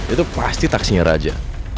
itu pasti taksinya raja